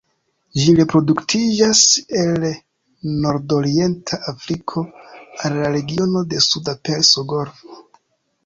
Ĝi reproduktiĝas el nordorienta Afriko al la regiono de suda Persa Golfo.